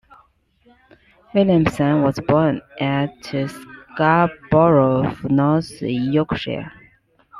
Williamson was born at Scarborough, North Yorkshire.